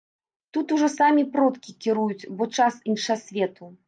Тут ужо самі продкі кіруюць, бо час іншасвету.